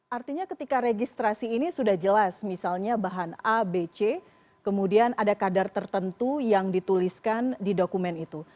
artinya ketika registrasi ini sudah jelas misalnya bahan a b c kemudian ada kadar tertentu yang dituliskan di dokumen itu